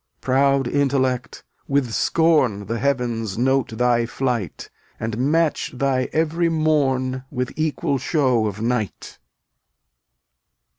Proud Intellect! with scorn The Heavens note thy flight, And match thy every morn With equal show of night.